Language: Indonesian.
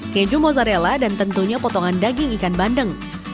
keju mozzarella dan tentunya potongan daging ikan bandeng